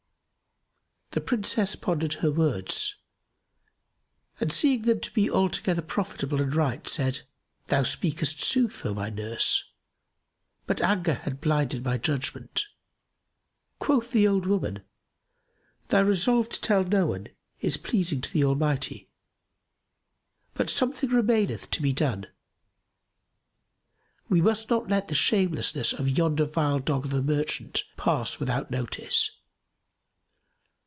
The Princess pondered her words, and seeing them to be altogether profitable and right, said, "Thou speaketh sooth, O my nurse; but anger had blinded my judgment." Quoth the old woman, "Thy resolve to tell no one is pleasing to the Almighty; but something remaineth to be done: we must not let the shamelessness of yonder vile dog of a merchant pass without notice.